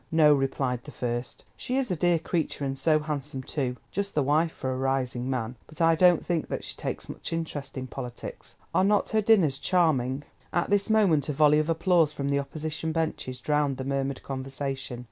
"No," replied the first; "she is a dear creature, and so handsome too—just the wife for a rising man—but I don't think that she takes much interest in politics. Are not her dinners charming?" At this moment, a volley of applause from the Opposition benches drowned the murmured conversation.